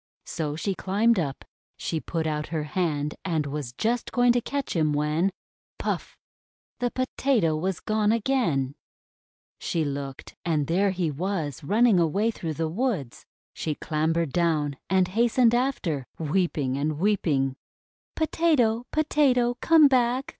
So she climbed up. She put out her hand and was just going to catch him, when — puff! the Potato was gone again! 352 THE WONDER GARDEN She looked, and there he was running away through the woods. She clambered down and hastened after, weeping and weeping: — "Potato! Potato! Comeback!